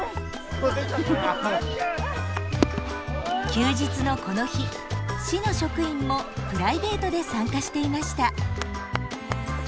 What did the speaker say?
休日のこの日市の職員もプライベートで参加していました。